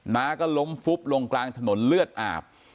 น้าก็ล้มฟุบลงกลางถนนเลือดอาบ